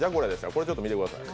これちょっと見てください。